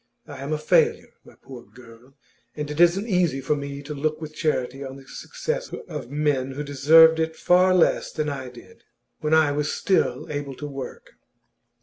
I am a failure, my poor girl, and it isn't easy for me to look with charity on the success of men who deserved it far less than I did, when I was still able to work.